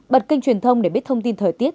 bật kênh truyền thông để biết thông tin thời tiết